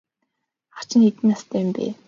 Ах чинь хэдэн настай юм бэ?